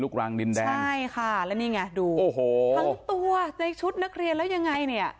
กลางดินแดงใช่ค่ะแล้วนี่ไงดูโอ้โหทั้งตัวในชุดนักเรียนแล้วยังไงเนี่ย